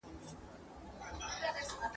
هر کار تر سره کولای سي